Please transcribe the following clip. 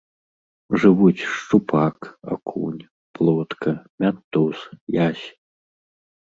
Жывуць шчупак, акунь, плотка, мянтуз, язь.